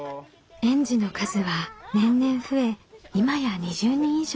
園児の数は年々増え今や２０人以上。